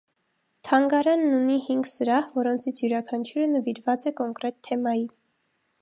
Թանգարանն ունի հինգ սրահ, որոնցից յուրաքանչյուրը նվիրված է կոնկրետ թեմայի։